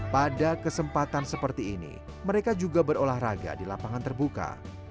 pada kesempatan seperti ini mereka juga berolahraga di lapangan terbuka